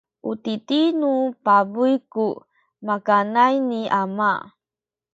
u titi nu pabuy ku makanay ni ama.